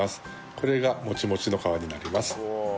これがモチモチの皮になります。